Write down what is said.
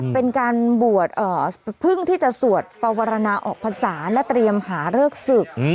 เป็นการบวชเพิ่งที่จะสวดปวรรณาออกพรรษาและเตรียมหาเลิกศึก